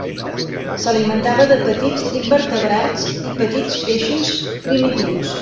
S'alimentava de petits invertebrats i petits peixos primitius.